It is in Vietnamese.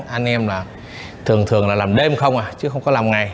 anh em là thường thường là làm đêm không à chứ không có làm ngày